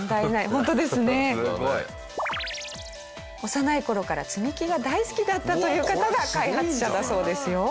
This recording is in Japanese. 幼い頃から積み木が大好きだったという方が開発者だそうですよ。